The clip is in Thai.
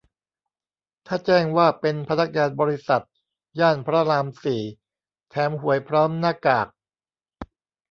ถ้าแจ้งว่าเป็นพนักงานบริษัท ย่านพระรามสี่ แถมหวยพร้อมหน้ากาก